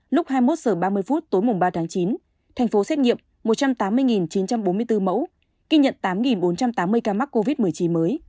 lúc hai mươi một h ba mươi tối ba tháng chín tp hcm một trăm tám mươi chín trăm bốn mươi bốn mẫu kinh nhận tám bốn trăm tám mươi ca mắc covid một mươi chín mới